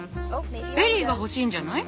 エリーが欲しいんじゃない？